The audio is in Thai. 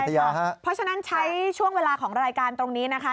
เพราะฉะนั้นใช้ช่วงเวลาของรายการตรงนี้นะคะ